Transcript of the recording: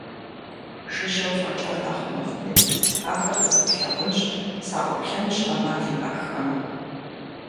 Жыжьэу фӀэкӀа нэхъ мыхъуми, ахэр зэзгъэлъагъунщ, саӀуплъэнщ Ӏэмал иӀэххэмэ.